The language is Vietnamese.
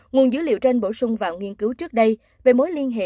nguồn dữ liệu trên bổ sung vào nghiên cứu trước đây về mối liên hệ